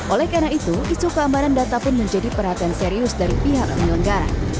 oleh karena itu isu keamanan data pun menjadi perhatian serius dari pihak penyelenggara